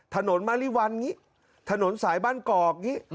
ถนนมะริวัลอย่างนี้ถนนสายบ้านกอกอย่างนี้